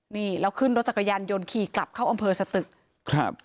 นี่แล้วขึ้นรถจักรยานยนต์ขี่กลับเข้าอำเภอสตึกครับ